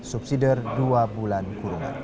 subsidi dua bulan kurungan